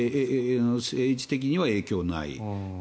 政治的には影響はない。